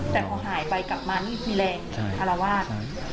แต่พอหายไปกลับมานี่มีแรงอารวาส